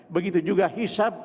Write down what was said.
begitu juga hisap